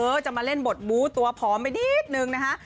ก็จะมาเล่นบทบูธตัวพร้อมไปนิดหนึ่งนะคะ